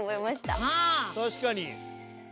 たしかに。